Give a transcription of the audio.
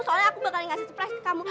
soalnya aku bakal ngasih surprise ke kamu